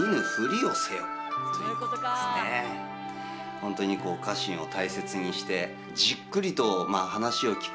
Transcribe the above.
本当に家臣を大切にしてじっくりと話を聞く